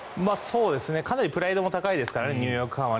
かなりプライドも高いですからねニューヨークファンは。